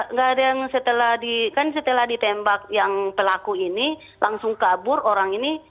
nggak ada yang setelah ditembak yang pelaku ini langsung kabur orang ini